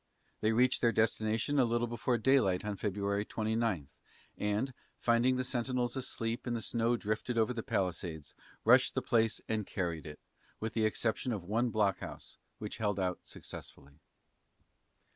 They reached their destination a little before daylight of February 29, and, finding the sentinels asleep and the snow drifted over the palisades, rushed the place, and carried it, with the exception of one block house, which held out successfully.